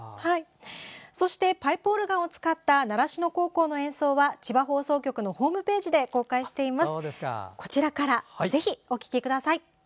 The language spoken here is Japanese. そしてパイプオルガンを使った習志野高校の演奏は千葉放送局のホームページで「かんたんごはん」です。